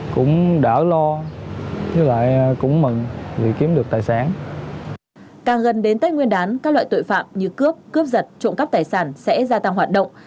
càng gần đến tết nguyên đán các loại tội phạm như cướp cướp giật trộm cắp tài sản sẽ gia tăng hoạt động